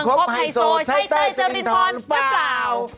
คบไฮโซใช้เตยเจอเป็นปอนด์หรือเปล่า